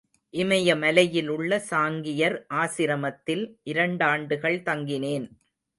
இமயமலையிலுள்ள சாங்கியர் ஆசிரமத்தில் இரண்டாண்டுகள் தங்கினேன்.